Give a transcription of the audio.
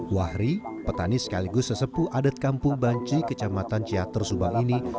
wahri petani sekaligus sesepuh adat kampung banci kecamatan ciater subang ini